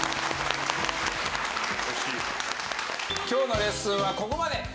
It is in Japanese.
今日のレッスンはここまで。